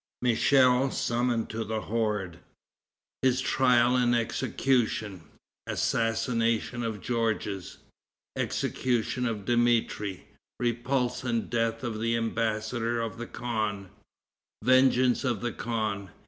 Michel Summoned to the Horde. His Trial and Execution. Assassination of Georges. Execution of Dmitri. Repulse and Death of the Embassador of the Khan. Vengeance of the Khan.